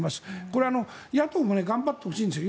これは、野党も頑張ってほしいんですよ。